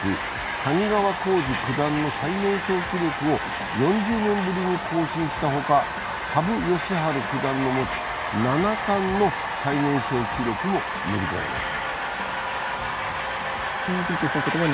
谷川浩司九段の最年少記録を４０年ぶりに更新したほか羽生善治九段の持つ七冠の最年少記録を塗り替えました。